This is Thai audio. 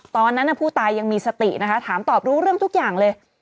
ตอนนั้นผู้ตายยังมีสตินะคะถามตอบรู้เรื่องทุกอย่างเลย